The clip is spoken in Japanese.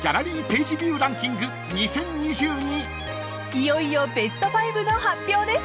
［いよいよベスト５の発表です］